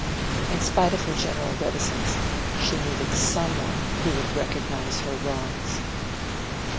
In spite of her general reticence, she needed some one who would recognize her wrongs.